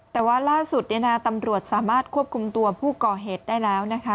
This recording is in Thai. แต่ว่าล่าสุดตำรวจสามารถควบคุมตัวผู้ก่อเหตุได้แล้วนะคะ